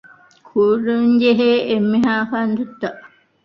ކުރަންޖެހޭ އެންމެހައި ކަންތައްތައް